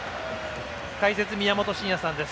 解説、宮本慎也さんです。